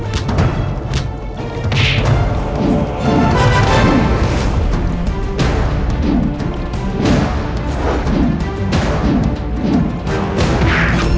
atau kalian kumpankan kepada buaya buaya lapar rakyatku